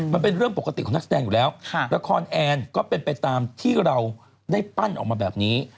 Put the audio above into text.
มันเป็นเรื่องปกติของนักแสดงอยู่แล้วละครแอนก็เป็นไปตามที่เราได้ปั้นออกมาแบบนี้